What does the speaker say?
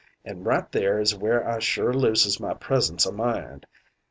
An' right there is where I sure looses my presence o' mind.